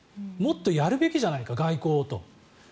もっとやるべきじゃないか外交をと。